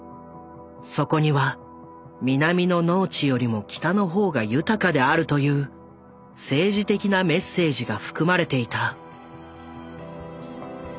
そこには南の農地よりも北の方が豊かであるという政治的なメッセージが含まれていた。